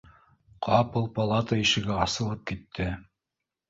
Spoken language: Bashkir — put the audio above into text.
Ҡапыл палата ишеге асылып китте